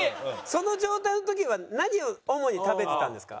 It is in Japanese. その状態の時は何を主に食べてたんですか？